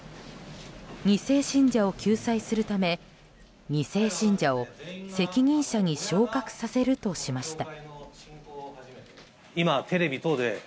２世信者を救済するため２世信者を責任者に昇格させるとしました。